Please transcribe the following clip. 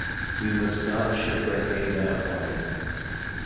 We must not shipwreck Ada upon it.